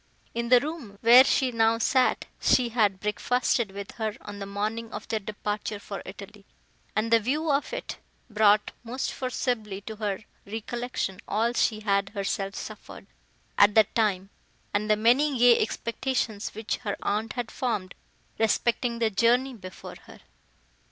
In the room, where she now sat, she had breakfasted with her on the morning of their departure for Italy; and the view of it brought most forcibly to her recollection all she had herself suffered, at that time, and the many gay expectations, which her aunt had formed, respecting the journey before her.